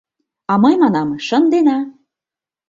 А мый манам: шындена!